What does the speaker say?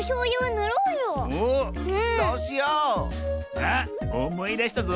あっおもいだしたぞ。